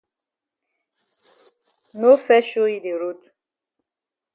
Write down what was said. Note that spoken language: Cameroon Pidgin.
No fes show yi de road.